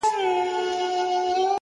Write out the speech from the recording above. • اشنـا په دې چــلو دي وپوهـېدم ـ